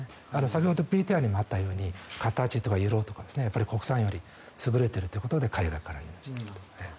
先ほどＶＴＲにもあったように形とか色とかやっぱり国産より優れているということで海外から輸入していると。